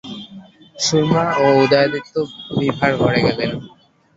সুরমা ও উদয়াদিত্য বিভার ঘরে গেলেন।